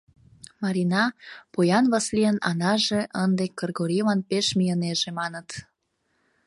Марина, поян Васлийын Анаже ынде Кыргорийлан пеш мийынеже, маныт.